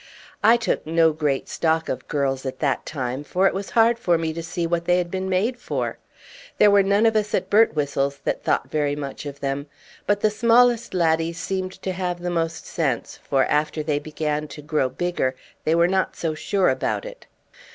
I took no great stock of girls at that time, for it was hard for me to see what they had been made for. There were none of us at Birtwhistle's that thought very much of them; but the smallest laddies seemed to have the most sense, for after they began to grow bigger they were not so sure about it.